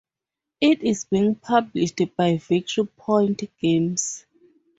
It is being published by Victory Point Games.